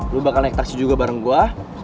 lo bakal naik taksi juga bareng gue